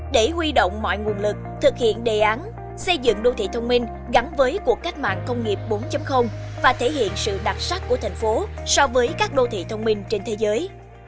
để huy động mọi nguồn lực thực hiện đề án xây dựng đô thị thông minh gắn với cuộc cách mạng công nghiệp bốn và thể hiện sự đặc sắc của thành phố so với các đô thị thông minh trên thế giới